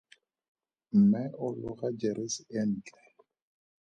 Mme o loga jeresi e ntle.